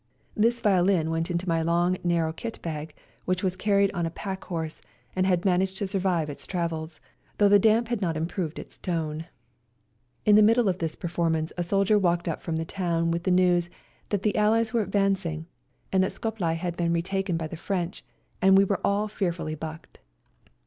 This violin went into my long, narrow kit bag, which was carried on a pack horse and had managed to survive its travels, though the damp had not improved its tone. In the middle of this performance a soldier walked up from the town with the news that the Allies were advancing and that Scoplye had been retaken by the French, and we were all fearfully bucked.